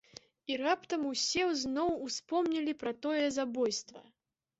І раптам усе зноў успомнілі пра тое забойства.